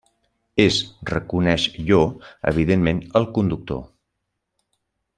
És, reconeix Ió, evidentment, el conductor.